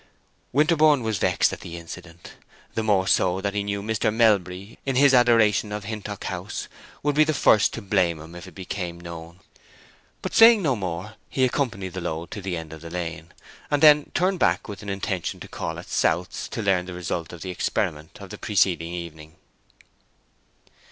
Winterborne was vexed at the incident; the more so that he knew Mr. Melbury, in his adoration of Hintock House, would be the first to blame him if it became known. But saying no more, he accompanied the load to the end of the lane, and then turned back with an intention to call at South's to learn the result of the experiment of the preceding evening.